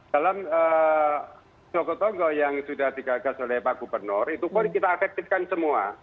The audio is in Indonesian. dalam jogotongo yang sudah digagal oleh pak gubernur itu pun kita efektifkan semua